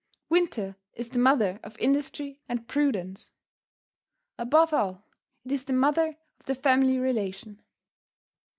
Winter is the mother of industry and prudence. Above all, it is the mother of the family relation.